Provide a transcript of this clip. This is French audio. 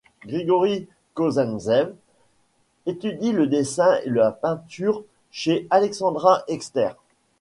Grigori Kozintsev étudie le dessin et la peinture chez Alexandra Exter.